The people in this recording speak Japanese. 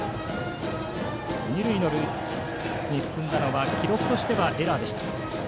二塁に進んだのは記録としてはエラーでした。